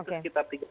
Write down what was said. sekitar tiga kali